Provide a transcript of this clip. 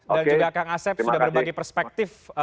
dan juga kang asep sudah berbagi perspektif